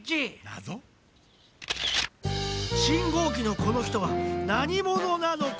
信号機のこの人はなにものなのか。